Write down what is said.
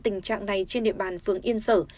tình trạng này trên địa bàn phường yên sở